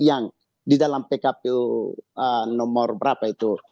yang didalam pkpu no berapa itu